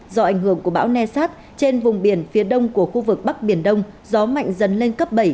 do ảnh hưởng của bão nasat trên vùng biển phía đông của khu vực bắc biển đông gió mạnh dần lên cấp bảy